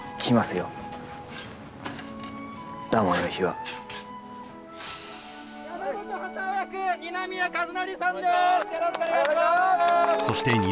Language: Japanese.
よろしくお願いします